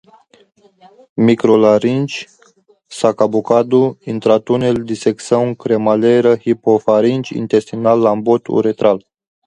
micro laringe, sacabocado, intratunel, dissecção, cremalheira, hipofaringe, intestinal, lambote, uretral